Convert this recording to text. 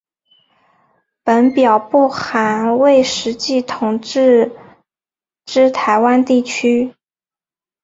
本表不含未实际统治之台湾地区。